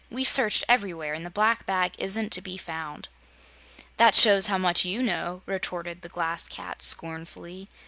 We've searched everywhere, and the black bag isn't to be found." "That shows how much you know!" retorted the Glass Cat, scornfully.